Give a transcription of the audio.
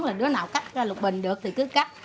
rồi đứa nào cắt ra lục bình được thì cứ cắt